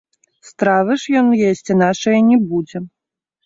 Стравы ж ён есці нашае не будзе.